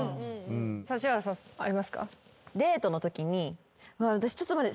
指原さんありますか？